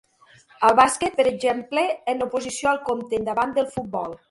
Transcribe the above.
El bàsquet, per exemple, en oposició al compte endavant del futbol.